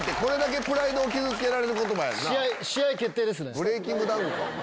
ブレイキングダウンか！